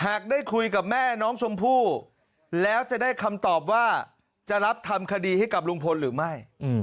ได้คุยกับแม่น้องชมพู่แล้วจะได้คำตอบว่าจะรับทำคดีให้กับลุงพลหรือไม่